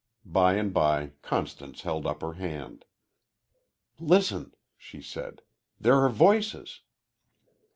By and by Constance held up her hand. "Listen," she said, "there are voices."